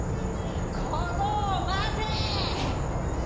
「こぞうまて」。